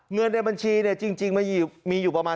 เงินในบัญชีเนี่ยจริงมันมีอยู่ประมาณ